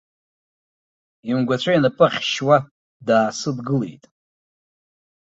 Имгәацәа инапы ахьшьуа, даасыдгылеит.